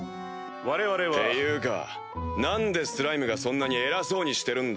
我々は。っていうか何でスライムがそんなに偉そうにしてるんだよ。